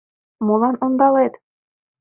Молан ондалет?